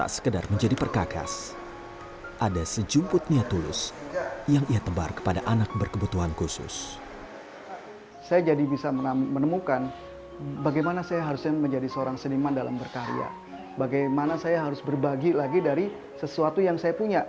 saya harus berbagi lagi dari sesuatu yang saya punya